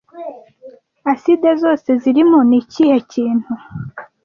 Acide zose zirimo nikihe kintu